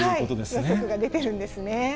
予測が出てるんですね。